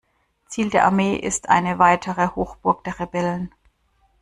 Ziel der Armee ist eine weitere Hochburg der Rebellen.